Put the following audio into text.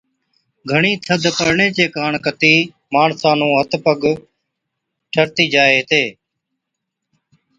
گھڻِي ٿڌ پڙڻي چي ڪاڻ ڪتِي ماڻسان چي هٿ پگ ٺٺرتِي جائي هِتي۔